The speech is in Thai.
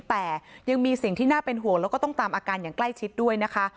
แต่ยังมีสิ่งที่น่าเป็นห่วงแล้วก็ต้องตามอาการอย่างใกล้ชิดด้วยนะคะ